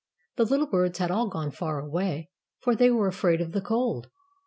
The little birds had all gone far away, for they were afraid of the cold.